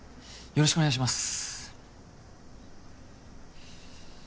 よろしくお願いします